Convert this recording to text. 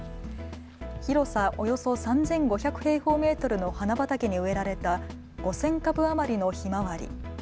広さおよそ３５００平方メートルの花畑に植えられた５０００株余りのひまわり。